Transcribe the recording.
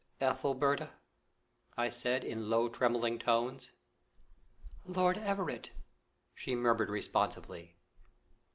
"Ethelberta!" I said, in low trembling tones. "Lord Everett!" she murmured responsively.